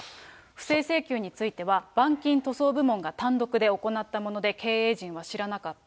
不正請求については、板金塗装部門が単独で行ったもので、経営陣は知らなかった。